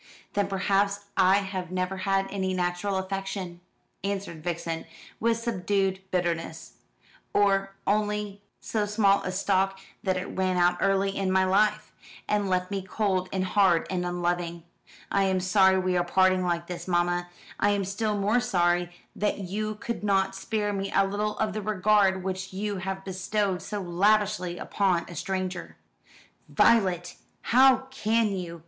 "Then perhaps I have never had any natural affection," answered Vixen, with subdued bitterness; "or only so small a stock that it ran out early in my life, and left me cold and hard and unloving. I am sorry we are parting like this, mamma. I am still more sorry that you could not spare me a little of the regard which you have bestowed so lavishly upon a stranger." "Violet, how can you?"